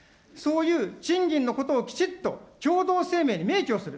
そういう賃金のことをきちっと共同声明に明記をする。